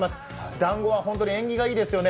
団子は縁起がいいですよね